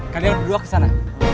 kalian berdua kesana